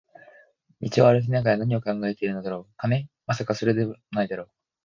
道を歩きながら何を考えているのだろう、金？まさか、それだけでも無いだろう